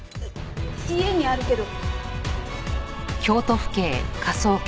家にあるけど。